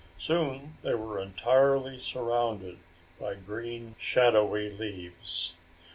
Soon they were entirely surrounded by green shadowy leaves.